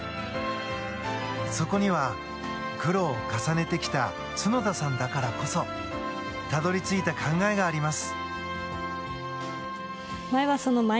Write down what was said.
そこには、苦労を重ねてきた角田さんだからこそたどり着いた考えがあります。